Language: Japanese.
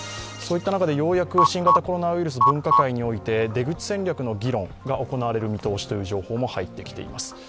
そういった中でようやく新型コロナウイルス分科会において出口戦略の議論が行われる見通しという情報も入ってきています。